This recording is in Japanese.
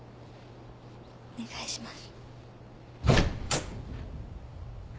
お願いします。